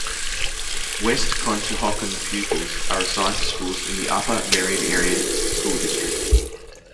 West Conshohocken pupils are assigned to schools in the Upper Merion Area School District.